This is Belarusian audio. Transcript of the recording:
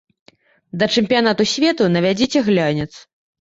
Да чэмпіянату свету навядзіце глянец.